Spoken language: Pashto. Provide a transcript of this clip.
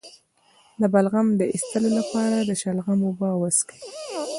د بلغم د ایستلو لپاره د شلغم اوبه وڅښئ